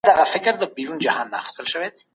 هغه وايي، که څیړنه وسي، نو حقیقتونه به څرګند سي.